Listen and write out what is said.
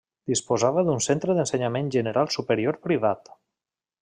Disposava d'un centre d'ensenyament general superior privat.